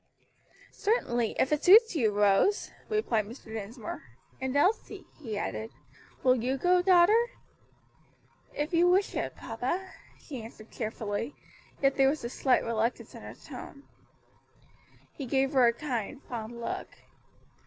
"Certainly, if it suits you, Rose," replied Mr. Dinsmore; "and Elsie;" he added, "will you go, daughter?" "If you wish it, papa," she answered cheerfully; yet there was a slight reluctance in her tone. He gave her a kind, fond look.